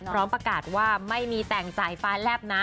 พร้อมประกาศว่าไม่มีแต่งสายฟ้าแลบนะ